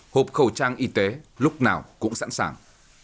hộp khẩu trang y tế lúc nào cũng sẵn sàng